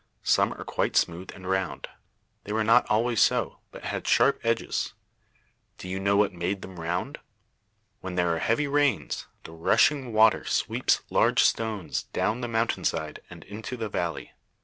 Some are quite smooth and round. They were not always so, but had sharp edges. Do you know what made them round? When there are heavy rains, the rushing water sweeps large stones down the mountain side and into the valley.